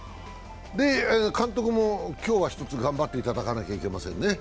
監督も今日はひとつ頑張っていただかなきゃいけませんね。